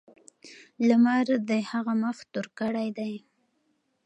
لمر د هغه مخ تور کړی دی.